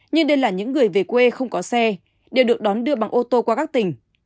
nhưng đây là những người về quê không có xe đều được đón đưa bằng ô tô qua các tỉnh